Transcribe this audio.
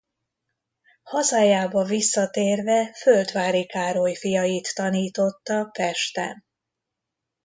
Hazájába visszatérve Földváry Károly fiait tanította Pesten.